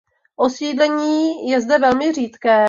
Osídlení je zde velmi řídké.